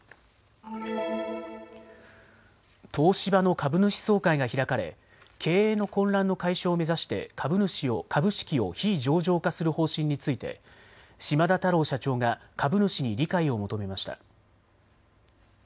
東芝の株主総会が開かれ経営の混乱の解消を目指して株式を非上場化する方針について島田太郎社長が株主に理解を求めました。